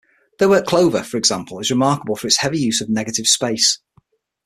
Their work "Clover" for example, is remarkable for its heavy use of negative space.